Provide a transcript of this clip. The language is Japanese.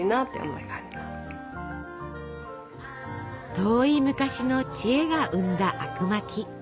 遠い昔の知恵が生んだあくまき。